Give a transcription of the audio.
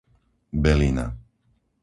Belina